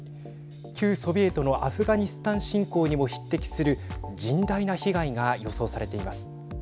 旧ソビエトのアフガニスタン侵攻にも匹敵する甚大な被害が予想されています。